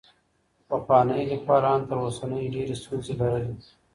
پخوانيو ليکوالانو تر اوسنيو ډېري ستونزې لرلې.